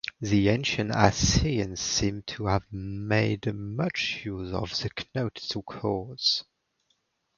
The ancient Assyrians seem to have made much use of knotted cords.